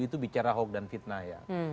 itu bicara hoax dan fitnah ya